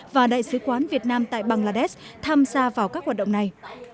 và đại sứ quán việt nam tại bangladesh tham gia vào các hoạt động này